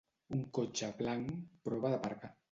Un cotxe blanc prova d'aparcar